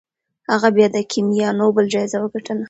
هغې بیا د کیمیا نوبل جایزه وګټله.